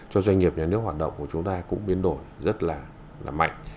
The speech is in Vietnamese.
cho doanh nghiệp nhà nước hoạt động của chúng ta cũng biến đổi rất là mạnh